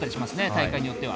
大会によっては。